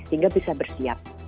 sehingga bisa bersiap